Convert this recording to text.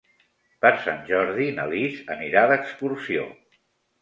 Per Sant Jordi na Lis anirà d'excursió.